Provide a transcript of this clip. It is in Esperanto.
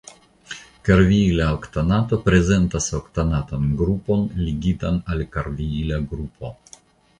Karviila oktanato prezentas oktanatan grupon ligitan al karviila grupo.